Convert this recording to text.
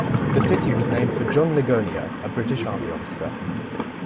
The city was named for John Ligonier, a British army officer.